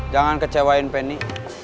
jangan kecewain penny